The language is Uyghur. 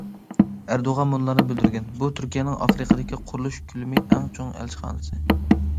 ئەردوغان مۇنۇلارنى بىلدۈرگەن: بۇ تۈركىيەنىڭ ئافرىقىدىكى قۇرۇلۇش كۆلىمى ئەڭ چوڭ ئەلچىخانىسى.